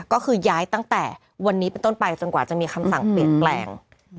ก็คือย้ายตั้งแต่วันนี้เป็นต้นไปจนกว่าจะมีคำสั่งเปลี่ยนแปลง